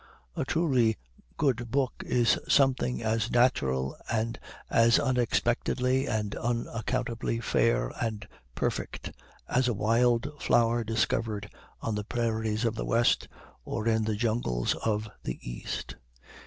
A truly good book is something as natural, and as unexpectedly and unaccountably fair and perfect, as a wild flower discovered on the prairies of the West or in the jungles of the East.